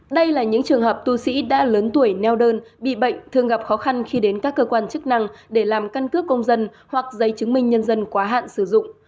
đây là những trường hợp tu sĩ đã lớn tuổi neo đơn bị bệnh thường gặp khó khăn khi đến các cơ quan chức năng để làm căn cước công dân hoặc giấy chứng minh nhân dân quá hạn sử dụng